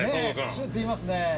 プシューッていいますね。